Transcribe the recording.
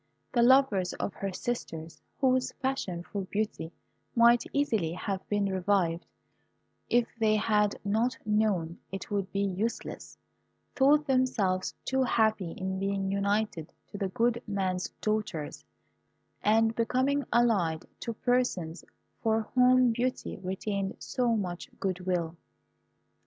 The lovers of her sisters, whose passion for Beauty might easily have been revived, if they had not known it would be useless, thought themselves too happy in being united to the good man's daughters, and becoming allied to persons for whom Beauty retained so much goodwill.